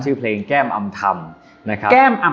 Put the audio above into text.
ชื่อเพลงแก้มอำธรรมนะครับ